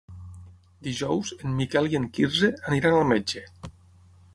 Dijous en Miquel i en Quirze aniran al metge.